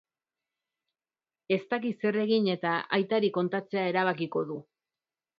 Ez daki zer egin eta aitari kontatzea erabakiko du.